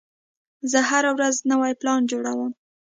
زه هره ورځ نوی پلان جوړوم.